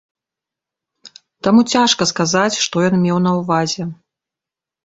Таму цяжка сказаць, што ён меў на ўвазе.